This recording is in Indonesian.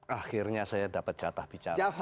akhirnya saya dapat jatah bicara